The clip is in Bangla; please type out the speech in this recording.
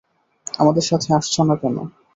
আমাদের সাথে আসছো না কেন?